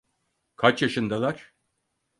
Kaç yaşındalar?